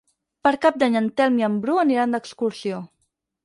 Per Cap d'Any en Telm i en Bru aniran d'excursió.